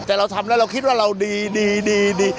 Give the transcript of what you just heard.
แต่เราทำแล้วเราคิดว่าเราดีดี